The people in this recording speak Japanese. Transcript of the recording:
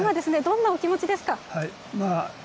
今どんなお気持ちですか。